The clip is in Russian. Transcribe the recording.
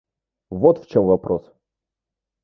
Вот в чем вопрос!